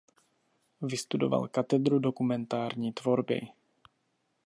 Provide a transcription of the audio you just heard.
Vystudoval Katedru dokumentární tvorby.